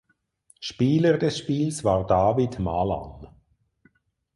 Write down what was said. Spieler des Spiels war Dawid Malan.